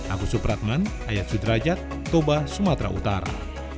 agus supratman ayat sudrajat toba sumatera utara